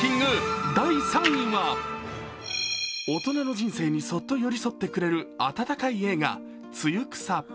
大人の人生にそっと寄り添ってくれる温かい映画「ツユクサ」。